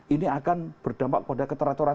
ini akan berdampak pada keteraturan